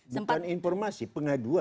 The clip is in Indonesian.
bukan informasi pengaduan